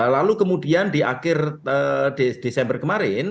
lalu kemudian di akhir desember kemarin